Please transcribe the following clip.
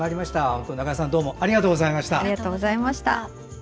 本当に中江さんありがとうございました。